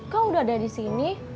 kau udah ada di sini